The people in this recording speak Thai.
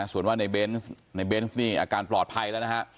ส่วนว่าในเบนส์ในเบนส์นี่อาการปลอดภัยแล้วนะฮะ